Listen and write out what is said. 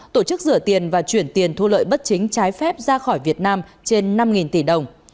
tổ chức rửa tiền và chuyển tiền thu lợi bất chính trái phép ra khỏi việt nam trên năm tỷ đồng